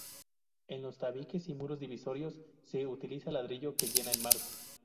En los tabiques y muros divisorios se utiliza ladrillo que llena el marco.